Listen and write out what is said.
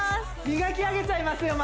磨き上げちゃいますよ